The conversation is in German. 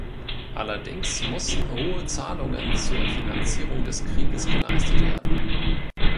Allerdings mussten hohe Zahlungen zur Finanzierung des Krieges geleistet werden.